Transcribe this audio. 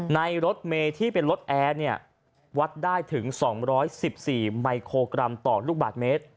รถเมที่เป็นรถแอร์วัดได้ถึง๒๑๔มิโครกรัมต่อลูกบาทเมตร